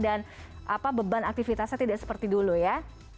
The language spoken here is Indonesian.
mungkin tidak sebanyak dan beban aktivitasnya tidak seperti dulu ya